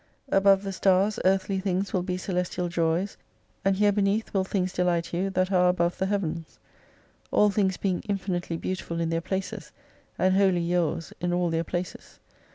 Above the stars earthly things will be celestial joys, and here beneath will things delight you that are above the heavens. All things being infinitely beautiful in their places, and wholly yours in all their places.